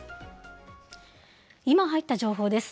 今入った情報です。